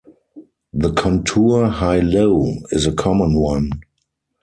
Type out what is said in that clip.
The contour high-low is a common one.